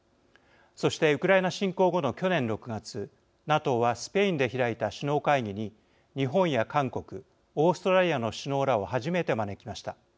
そしてウクライナ侵攻後の去年６月ＮＡＴＯはスペインで開いた首脳会議に日本や韓国オーストラリアの首脳らを初めて招きました。